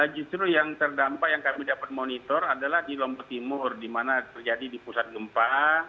justru yang terdampak yang kami dapat monitor adalah di lombok timur di mana terjadi di pusat gempa